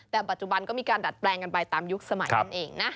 แต่ปัจจุบันก็มีการดัดแปลงกันไปตามยุคสมัยนั่นเองนะ